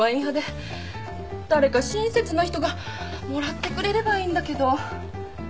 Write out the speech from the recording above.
誰か親切な人がもらってくれればいいんだけど